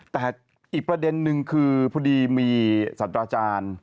แต่อีกประเด็นนึงคือพอดีมีสัตว์อาจารย์